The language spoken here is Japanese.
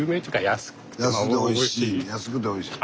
安くておいしい。